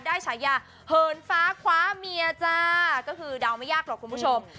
ฉายาเหินฟ้าคว้าเมียจ้าก็คือเดาไม่ยากหรอกคุณผู้ชม